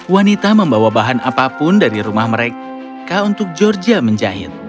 wanita membawa bahan apapun dari rumah mereka untuk georgia menjahit